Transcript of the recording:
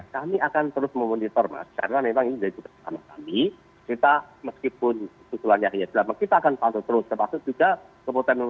kami akan terus memonitor mas karena memang ini sudah dikonsumsi sama kami